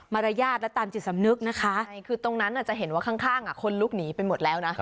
รยาทและตามจิตสำนึกนะคะคือตรงนั้นจะเห็นว่าข้างคนลุกหนีไปหมดแล้วนะ